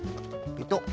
ペトッ。